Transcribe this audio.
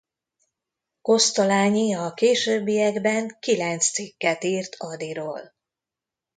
Kosztolányi a későbbiekben kilenc cikket írt Adyról.